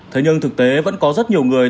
thế nhưng thực tế vẫn có rất nhiều người